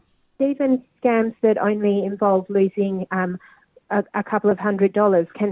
meskipun penipuan amal palsu yang hanya mengenai kehilangan beberapa ratus dolar